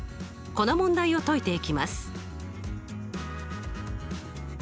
この問題を解いていきます。